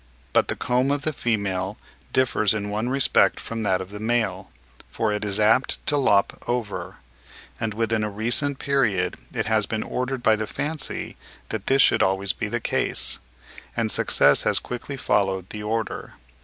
But the comb of the female differs in one respect from that of the male, for it is apt to lop over; and within a recent period it has been ordered by the fancy that this should always be the case, and success has quickly followed the order.